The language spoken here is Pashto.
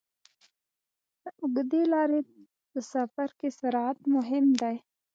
د اوږدې لارې په سفر کې سرعت مهم دی.